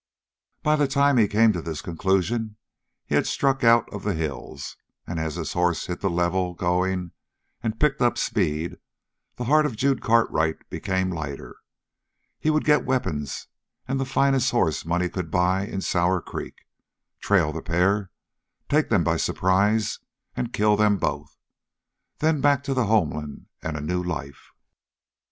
By the time he came to this conclusion, he had struck out of the hills, and, as his horse hit the level going and picked up speed, the heart of Jude Cartwright became lighter. He would get weapons and the finest horse money could buy in Sour Creek, trail the pair, take them by surprise, and kill them both. Then back to the homeland and a new life!